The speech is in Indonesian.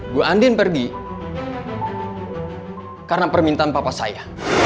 bu andin pergi karena permintaan papa saya